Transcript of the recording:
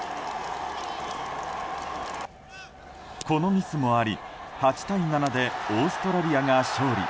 このミスもあり、８対７でオーストラリアが勝利。